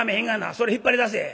それ引っ張り出せ」。